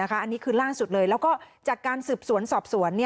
อันนี้คือล่าสุดเลยแล้วก็จากการสืบสวนสอบสวน